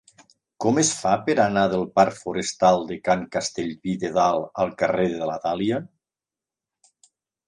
Com es fa per anar del parc Forestal de Can Castellví de Dalt al carrer de la Dàlia?